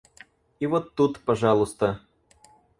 И вот тут, пожалуйста!..